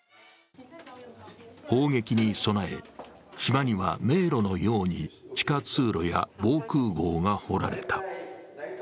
砲撃に備え、島には迷路のように地下通路や防空壕が掘られた。